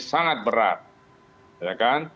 sangat berat ya kan